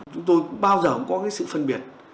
chúng tôi bao giờ cũng có sự phân biệt